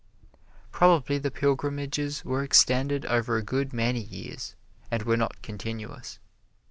Probably the pilgrimages were extended over a good many years, and were not continuous.